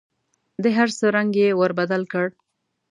د هر څه رنګ یې ور بدل کړ .